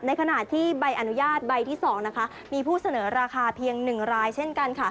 ในขณะที่ใบอนุญาตใบที่๒มีผู้เสนอราคาเพียง๑รายเช่นกัน